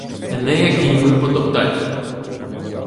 Енея кіньми потоптать.